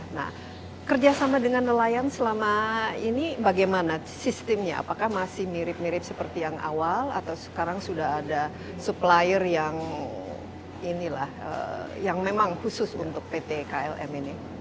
nah kerjasama dengan nelayan selama ini bagaimana sistemnya apakah masih mirip mirip seperti yang awal atau sekarang sudah ada supplier yang memang khusus untuk pt klm ini